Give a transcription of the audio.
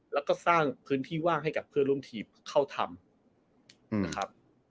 แล้วก็สร้างพื้นที่ว่างให้กับเพื่อนร่วมทีมเข้าทำนะครับ